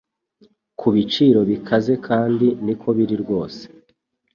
kubiciro bikazekandi niko biri rwose